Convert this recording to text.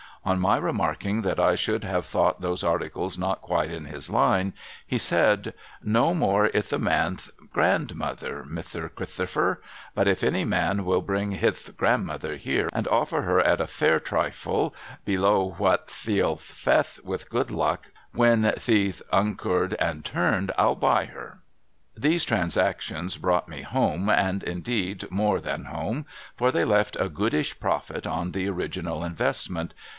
On my remarking that I should have thought those articles not quite in his line, he said :' No more ith a man'th grandmother, Mithter Chrithtopher ; but if any man will bring hith grandmother here, and ofter her at a fair trifle below what the'U feth with good luck when the'th thcoured and turned — I'll buy her !' These transactions brought me home, and, indeed, more than home, for they left a goodish profit on the original investment.